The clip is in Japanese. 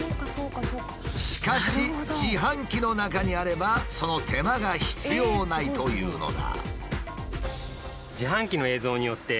しかし自販機の中にあればその手間が必要ないというのだ。